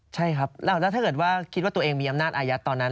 ใช่ครับแล้วถ้าเกิดว่าคิดว่าตัวเองมีอำนาจอายัดตอนนั้น